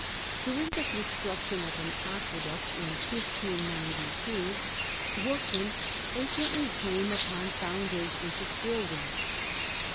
During the construction of an aqueduct in 1592, workmen frequently came upon foundations of buildings.